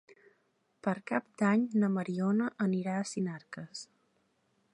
Per Cap d'Any na Mariona anirà a Sinarques.